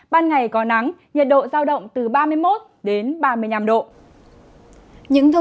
ban ngày có nắng nhiệt độ giao động từ ba mươi một đến ba mươi năm độ